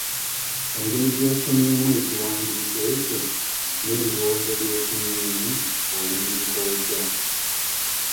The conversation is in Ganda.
Engeri gy'osomyemu ekiwandiiko ekyo, n'ebirowoozo by'ofunyeemu, owunzika otya?